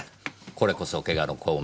これこそ「怪我の功名」。